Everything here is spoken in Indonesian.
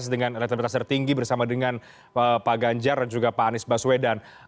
dengan elektabilitas tertinggi bersama dengan pak ganjar dan juga pak anies baswedan